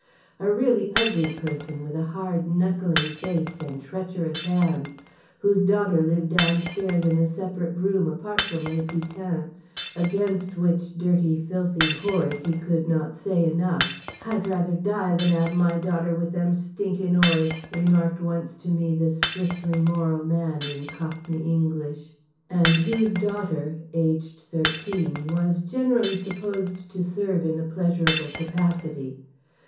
A really ugly person, with a hard knuckling face and treacherous hands, whose daughter lived downstairs in a separate room apart from les putains (against which "dirty," "filthy," "whores" he could not say enough—"Hi'd rather die than 'ave my daughter with them stinkin' 'ores," remarked once to me this strictly moral man, in Cockney English) and whose daughter (aged thirteen) was generally supposed to serve in a pleasurable capacity.